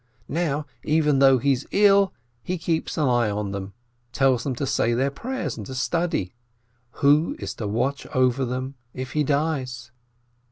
Now, even though he's ill, he keeps an eye on them, tells them to say their prayers and to study. Who is to watch over them if he dies